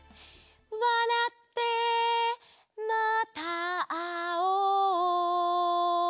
「わらってまたあおう」